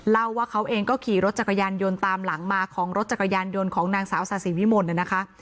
เล่าว่าเขาเองก็ขี่รถจักรยานยนต์ตามหลังมาของรถจักรยานยนต์ของนางสาวสาธิวิมลนะคะ